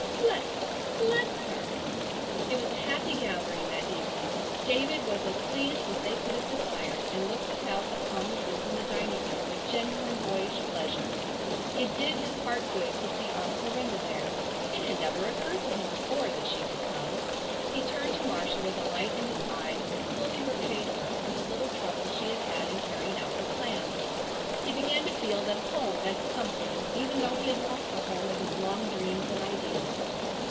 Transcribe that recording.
Bless her! Bless her!" It was a happy gathering that evening. David was as pleased as they could have desired, and looked about upon the group in the dining room with genuine boyish pleasure. It did his heart good to see Aunt Clarinda there. It had never occurred to him before that she could come. He turned to Marcia with a light in his eyes that fully repaid her for the little trouble she had had in carrying out her plan. He began to feel that home meant something even though he had lost the home of his long dreams and ideals.